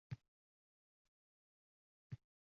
U Inomjonga bir o`qraydi-yu, ters ortiga burilib ketdi